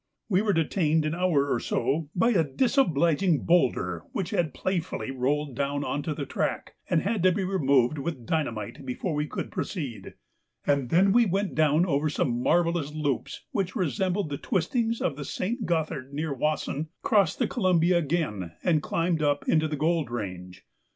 We were detained an hour or so by a disobliging boulder which had playfully rolled down on to the track and had to be removed with dynamite before we could proceed, and then we went down over some marvellous loops, which resembled the twistings of the St. Gothard near Wasen, crossed the Columbia again, and climbed up into the Gold Range.